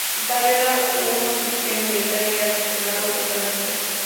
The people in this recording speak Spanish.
Su padre era un oficial militar y aficionado botánico.